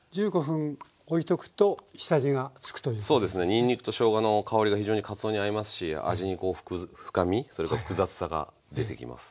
にんにくとしょうがの香りが非常にかつおに合いますし味にこう深みそれと複雑さが出てきます。